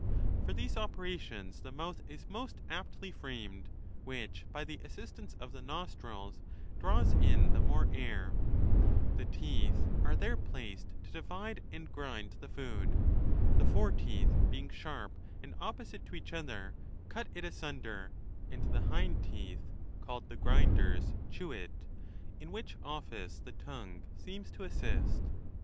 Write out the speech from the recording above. For these operations the mouth is most aptly framed, which, by the assistance of the nostrils, draws in the more air. LIV. The teeth are there placed to divide and grind the food.' The fore teeth, being sharp and opposite to each other, cut it asunder, and the hind teeth (called the grind ers) chew it, in whioh office the tongue seems to assist.